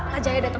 pak jaya dateng